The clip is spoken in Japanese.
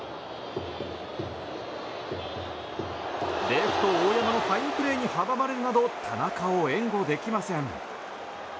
レフト、大山のファインプレーに阻まれるなど田中を援護できません。